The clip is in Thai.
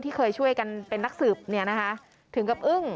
ที่เคยช่วยกันเป็นนักสืบถึงกับอึ้ง